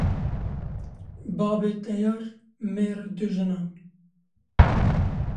Babê teyar mêr dû jinan